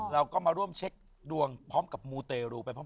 เราก็มาร่วมเช็คดวงพร้อมกับมูเตรูไปพร้อม